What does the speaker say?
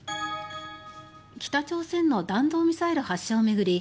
北朝鮮の弾道ミサイル発射を巡り